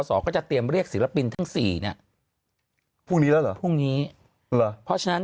ส่องก็จะเตรียมเรียกศิลปินทั้ง๔เนี่ยพรุ่งนี้ได้เพราะฉะนั้น